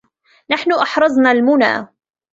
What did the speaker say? نحن أحرزنا المُنى